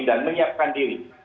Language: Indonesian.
dan menyiapkan diri